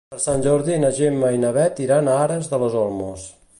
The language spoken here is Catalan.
Per Sant Jordi na Gemma i na Bet iran a Aras de los Olmos.